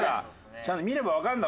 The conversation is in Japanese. ちゃんと見ればわかるんだろ？